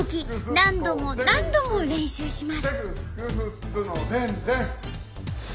何度も何度も練習します。